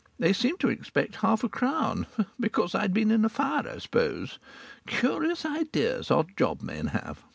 They seemed to expect half a crown, because I'd been in a fire, I suppose! Curious ideas odd job men have!